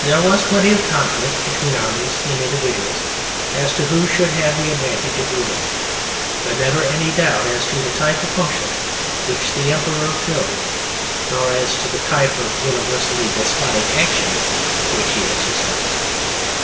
There was plenty of conflict between armies and individuals as to who should have the advantage of ruling, but never any doubt as to the type of function which the "Emperor" filled, nor as to the type of universally despotic action which he exercised.